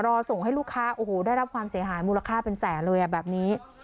รอส่งให้ลูกค้าโอ้โหได้รับความเสียหายมูลค่าเป็นแสนเลยอ่ะแบบนี้